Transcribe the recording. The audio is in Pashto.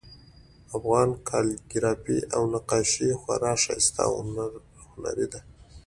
افغان کالیګرافي او نقاشي خورا ښایسته او هنري ده